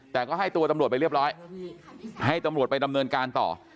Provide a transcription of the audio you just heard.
แต่ก็ให้ตัวตำรวจไปเรียบร้อยให้ตำรวจไปดำเนินการต่อ